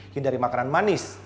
hindari makanan manis